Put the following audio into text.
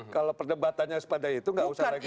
kalau perdebatannya seperti itu tidak usah lagi